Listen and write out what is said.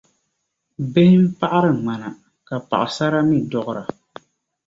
Bihi n paɣiri ŋmana, ka paɣisara mii duɣira.